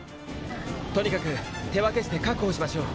とにかく手分けして確保しましょう。